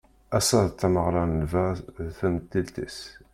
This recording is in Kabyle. Ass-a d tameɣra n lbaz d temtilt-is